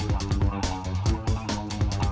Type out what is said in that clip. terserah ya cucu ka